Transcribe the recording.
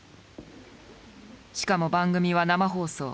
しかも番組は生放送。